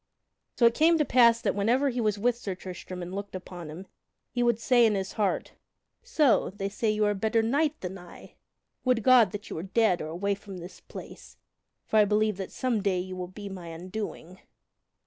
So it came to pass that whenever he was with Sir Tristram and looked upon him, he would say in his heart: "So they say that you are a better knight than I? Would God you were dead or away from this place, for I believe that some day you will be my undoing!"